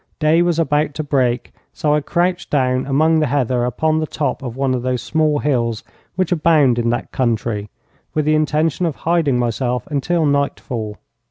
Day was about to break, so I crouched down among the heather upon the top of one of those small hills which abound in that country, with the intention of hiding myself until nightfall.